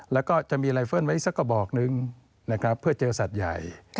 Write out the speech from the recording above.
แล้วก็จะมีไลเฟิลไว้สักกระบอกนึงนะครับเพื่อเจอสัตว์ใหญ่